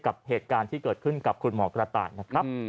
กับเหตุการณ์ที่เกิดขึ้นกับคุณหมอกระต่ายนะครับ